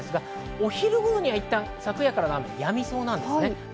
お昼頃にいったん、昨夜からの雨がやみそうです。